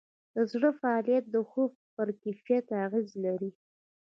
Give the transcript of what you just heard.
د زړه فعالیت د خوب پر کیفیت اغېز لري.